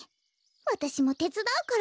わたしもてつだうから。